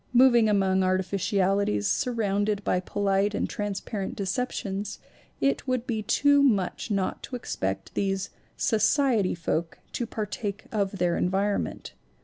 Moving among artificiali ties, surrounded by polite and transparent deceptions, it would be too much not to expect these "society" folk to partake of their environment.